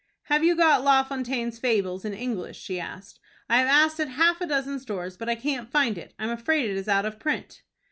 "Have you got La Fontaine's Fables in English?" she asked. "I have asked at half a dozen stores, but I can't find it. I am afraid it is out of print."